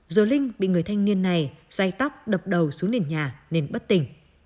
rồi linh bị người thanh niên này xay tóc đập đầu xuống đền nhà nên bất tỉnh